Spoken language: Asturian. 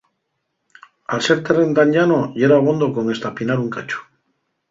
Al ser terrén tan llano yera abondo con estapinar un cachu.